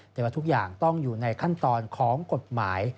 แต่ว่าทุกอย่างต้องอยู่ในขั้นตอนของกฎหมาย